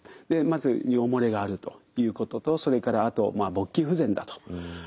まず尿漏れがあるということとそれからあと勃起不全だと。